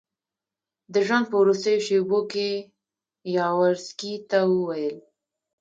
د ژوند په وروستیو شېبو کې یاورسکي ته وویل.